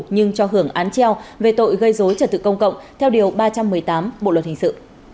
nhưng cho hưởng án treo về tội gây dối trật tự công cộng theo điều ba trăm một mươi tám bộ luật hình sự